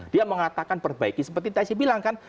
dia mengatakan perbaiki seperti taisi bilang kan